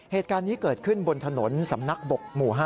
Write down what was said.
เหตุการณ์นี้เกิดขึ้นบนถนนสำนักบกหมู่๕